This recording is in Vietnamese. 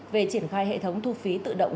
về triển khai hệ thống thu phí tự động